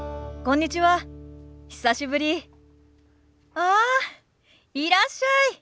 ああいらっしゃい。